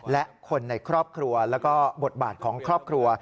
และคนในครอบครัวแล้วก็บทบาทของครอบครัว